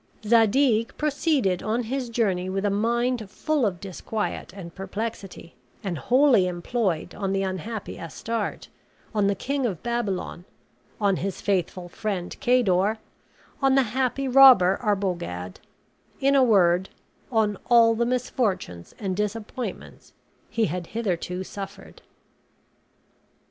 Zadig proceeded on his journey with a mind full of disquiet and perplexity, and wholly employed on the unhappy Astarte, on the King of Babylon, on his faithful friend Cador, on the happy robber Arbogad; in a word, on all the misfortunes and disappointments he had hitherto suffered.